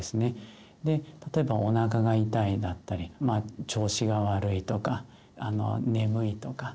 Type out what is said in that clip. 例えばおなかが痛いだったりまあ調子が悪いとか眠いとか。